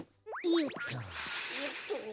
よっと。